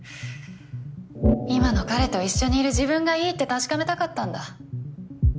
今の彼と一緒にいる自分がいいって確かめたかったんだ。